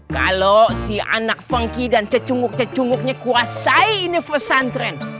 kalau si anak fengki dan cecunguk cecunguknya kuasai universantren